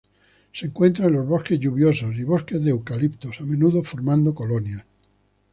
Se encuentra en los bosques lluviosos y bosques de eucaliptos, a menudo formando colonias.